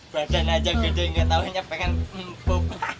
badan aja gede nggak tau hanya pengen pup